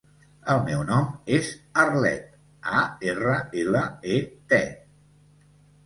El meu nom és Arlet: a, erra, ela, e, te.